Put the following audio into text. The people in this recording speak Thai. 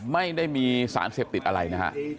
ไม่ได้มีสารเสพติดอะไรนะฮะ